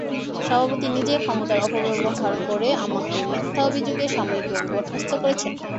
সভাপতি নিজেই ক্ষমতার অপব্যবহার করে আমাকে মিথ্যা অভিযোগে সাময়িকভাবে বরখাস্ত করেছেন।